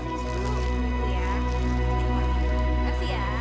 terima kasih ya